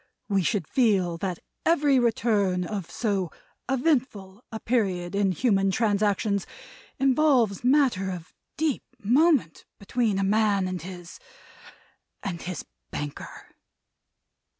We should feel that every return of so eventful a period in human transactions involves matter of deep moment between a man and his and his banker."